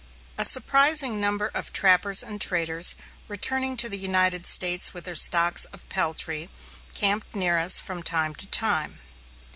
A surprising number of trappers and traders, returning to the United States with their stocks of peltry, camped near us from time to time.